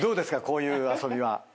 こういう遊びは。